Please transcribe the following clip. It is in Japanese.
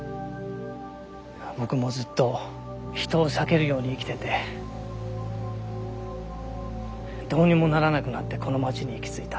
僕もずっと人を避けるように生きててどうにもならなくなってこの町に行き着いた。